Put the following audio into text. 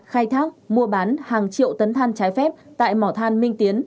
khai thác mua bán hàng triệu tấn than trái phép tại mỏ than minh tiến